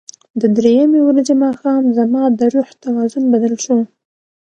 د درېیمې ورځې ماښام زما د روح توازن بدل شو.